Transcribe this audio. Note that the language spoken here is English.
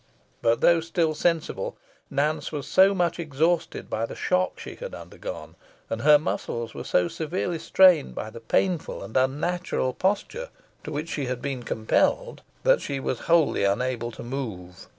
But though still sensible, Nance was so much exhausted by the shock she had undergone, and her muscles were so severely strained by the painful and unnatural posture to which she had been compelled, that she was wholly unable to move.